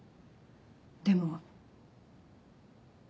でも。